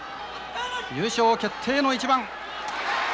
優勝決定の一番。